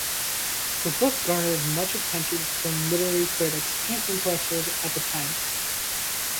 This book garnered much attention from literary critics and intellectuals at the time.